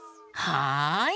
はい！